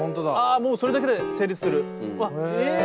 あもうそれだけで成立する！